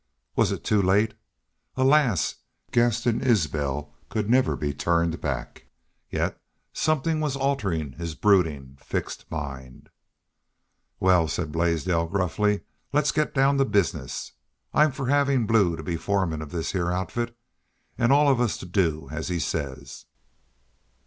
Was it too late? Alas! Gaston Isbel could never be turned back! Yet something was altering his brooding, fixed mind. "Wal," said Blaisdell, gruffly, "let's get down to business.... I'm for havin' Blue be foreman of this heah outfit, an' all of us to do as he says."